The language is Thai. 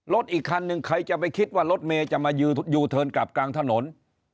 อีกคันหนึ่งใครจะไปคิดว่ารถเมย์จะมายูเทิร์นกลับกลางถนน